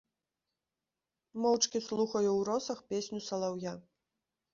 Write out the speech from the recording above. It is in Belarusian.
Моўчкі слухаю ў росах песню салаўя.